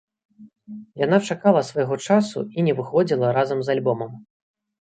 Яна чакала свайго часу і не выходзіла разам з альбомам.